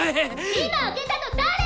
・今開けたの誰！？